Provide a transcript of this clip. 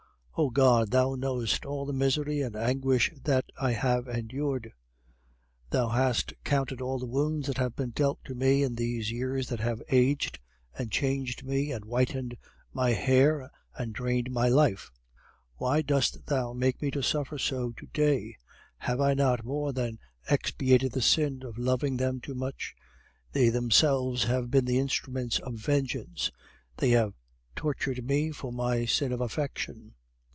"Oh God! Thou knowest all the misery and anguish that I have endured; Thou hast counted all the wounds that have been dealt to me in these years that have aged and changed me and whitened my hair and drained my life; why dost Thou make me to suffer so to day? Have I not more than expiated the sin of loving them too much? They themselves have been the instruments of vengeance; they have tortured me for my sin of affection.